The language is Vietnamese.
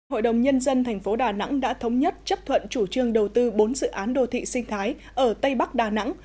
hội đồng nhân dân thành phố đà nẵng đã thống nhất chấp thuận chủ trương đầu tư bốn dự án đô thị sinh thái ở tây bắc đà nẵng